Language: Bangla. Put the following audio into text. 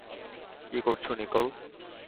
কী করছো, নিকোল?